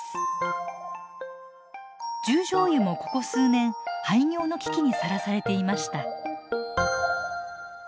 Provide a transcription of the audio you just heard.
十條湯もここ数年廃業の危機にさらされていました。